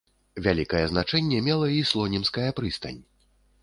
Вялікае значэнне мела і слонімская прыстань.